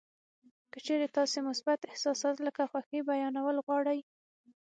که چېرې تاسې مثبت احساسات لکه خوښي بیانول غواړئ